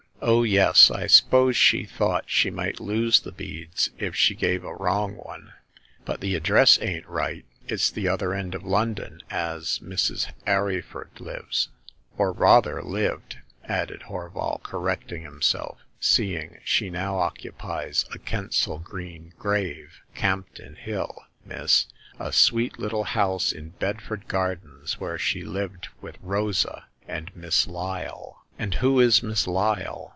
Oh, yes ; I s'pose she thought she might lose the beads if she gave a wrong one ; but the ad dress ain*t right. It's the other end of London as Mrs. Arryford lives— or rather lived," added Horval, correcting himself, seeing she now oc cupies a Kensal Green grave — Campden Hill, miss ; a sweet little house in Bedford Gardens, where she lived with Rosa and Miss Lyle." '' And who is Miss Lyle